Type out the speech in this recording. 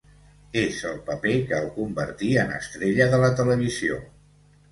És el paper que el convertí en estrella de la televisió.